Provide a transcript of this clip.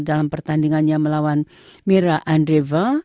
dalam pertandingannya melawan mira andreval